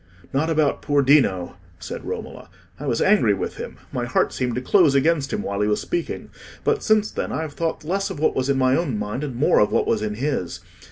"Not about poor Dino," said Romola. "I was angry with him; my heart seemed to close against him while he was speaking; but since then I have thought less of what was in my own mind and more of what was in his.